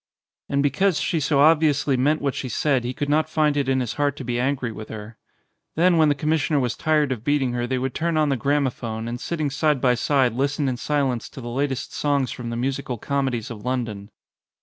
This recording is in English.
And because she so obviously meant what she said he could not find it in his heart to be angry with her. Then when the commissioner was tired of beating her they would turn on the gramophone and sitting side by side listen in silence to the latest songs from the musical comedies of London.